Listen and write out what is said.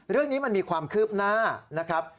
เรื่องนี้มันมีความคืบหน้านะครับ